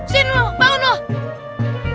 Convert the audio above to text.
sini lu bangun lu